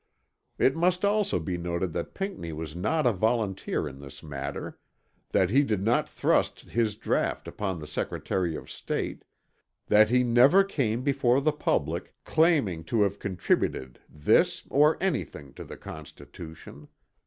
It must also be noted that Pinckney was not a volunteer in this matter that he did not thrust his draught upon the Secretary of State that he never came before the public claiming to have contributed this or anything to the Constitution.